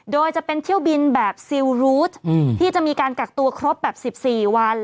โดยจะเป็นเที่ยวบินแบบซิลรูสที่จะมีการกักตัวครบแบบ๑๔วัน